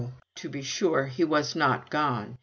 to be sure he was not gone.